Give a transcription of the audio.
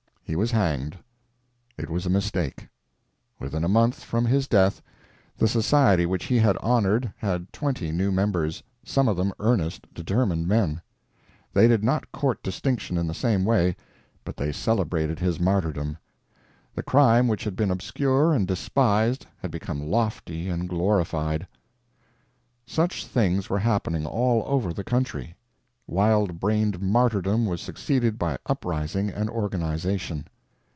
He was hanged. It was a mistake. Within a month from his death the society which he had honored had twenty new members, some of them earnest, determined men. They did not court distinction in the same way, but they celebrated his martyrdom. The crime which had been obscure and despised had become lofty and glorified. Such things were happening all over the country. Wild brained martyrdom was succeeded by uprising and organization.